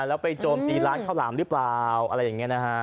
แล้วไปโจมตีร้านข้าวหลามหรือเปล่าอะไรอย่างนี้นะฮะ